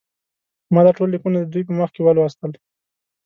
ما دا ټول لیکونه د دوی په مخ کې ولوستل.